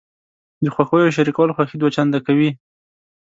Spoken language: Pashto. د خوښیو شریکول خوښي دوه چنده کوي.